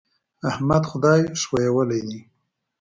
احمد خدای ښويولی دی.